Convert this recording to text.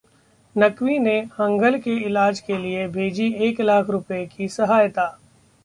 नकवी ने हंगल के इलाज के लिए भेजी एक लाख रुपये की सहायता